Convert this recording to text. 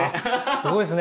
すごいですね。